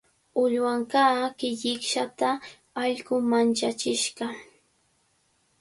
Uywanqaa killikshata allqu manchachishqa.